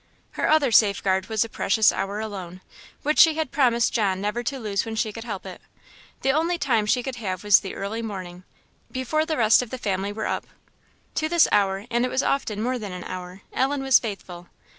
Her other safeguard was the precious hour alone, which she had promised John never to lose when she could help it. The only time she could have was the early morning, before the rest of the family were up. To this hour, and it was often more than an hour, Ellen was faithful.